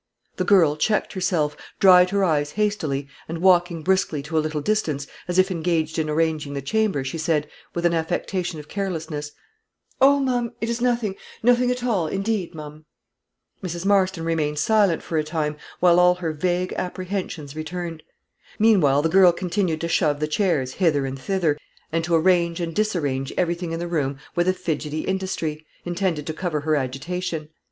The girl checked herself, dried her eyes hastily, and walking briskly to a little distance, as if engaged in arranging the chamber, she said, with an affectation of carelessness "Oh, ma'am, it is nothing; nothing at all, indeed, ma'am." Mrs. Marston remained silent for a time, while all her vague apprehensions returned. Meantime the girl continued to shove the chairs hither and thither, and to arrange and disarrange everything in the room with a fidgety industry, intended to cover her agitation.